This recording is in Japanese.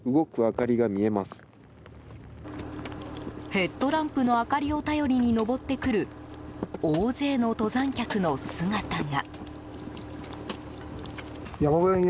ヘッドランプの明かりを頼りに登ってくる大勢の登山客の姿が。